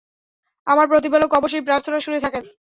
আমার প্রতিপালক অবশ্যই প্রার্থনা শুনে থাকেন।